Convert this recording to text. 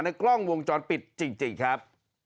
กล้องวงจรปิดจริงครับ